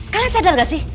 kalian sadar gak sih